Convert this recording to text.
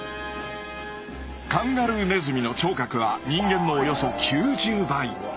カンガルーネズミの聴覚は人間のおよそ９０倍。